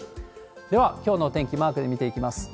では、きょうのお天気、マークで見ていきます。